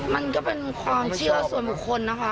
มันก็เป็นความเชื่อส่วนบุคคลนะคะ